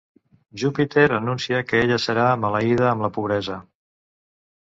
Júpiter anuncia que ella serà maleïda amb la pobresa.